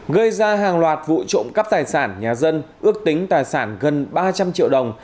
gây ra hàng loạt vụ trộm cắp tài sản nhà dân ước tính tài sản gần ba trăm linh triệu đồng